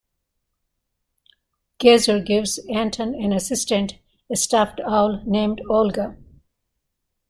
Geser gives Anton an assistant, a stuffed owl named Olga.